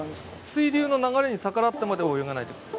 水流の流れに逆らってまでは泳がないってこと。